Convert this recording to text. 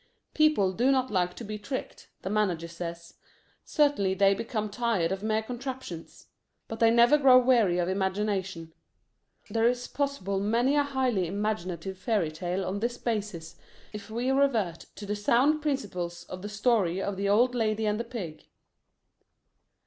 "People do not like to be tricked," the manager says. Certainly they become tired of mere contraptions. But they never grow weary of imagination. There is possible many a highly imaginative fairy tale on this basis if we revert to the sound principles of the story of the old lady and the pig.